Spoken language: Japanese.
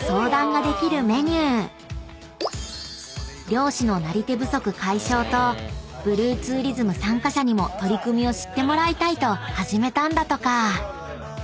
［漁師のなり手不足解消とブルーツーリズム参加者にも取り組みを知ってもらいたいと始めたんだとか］